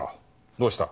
どうした？